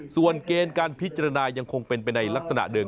ส่วนเกณฑ์การพิจารณายังคงเป็นไปในลักษณะเดิม